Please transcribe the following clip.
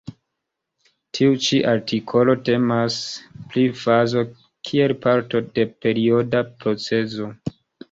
Tiu ĉi artikolo temas pri fazo kiel parto de perioda procezo.